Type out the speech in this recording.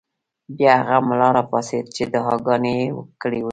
بیا هغه ملا راپاڅېد چې دعاګانې یې کړې وې.